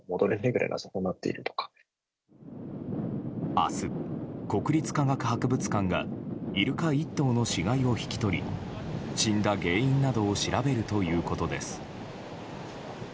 明日、国立科学博物館がイルカ１頭の死骸を引き取り死んだ原因などを調べるということです。